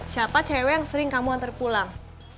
siapa cewek yang sering kamu antar pulang